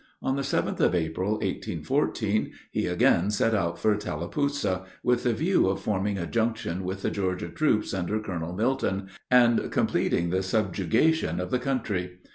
On the 7th of April, 1814, he again set out for Tallapoosa, with the view of forming a junction with the Georgia troops under Colonel Milton, and completing the subjugation of the country.